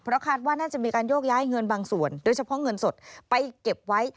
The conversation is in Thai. คาดว่าน่าจะมีการโยกย้ายเงินบางส่วนโดยเฉพาะเงินสดไปเก็บไว้